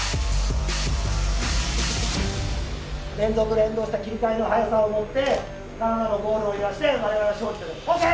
連続連動した切り替えの速さをもってカナダのゴールを揺らして我々の勝利と。ＯＫ？